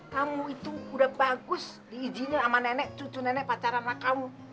kamu itu udah bagus diizinkan sama nenek cucu nenek pacaran anak kamu